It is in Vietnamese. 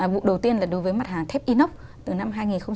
vụ đầu tiên là đối với mặt hàng thép inox từ năm hai nghìn một mươi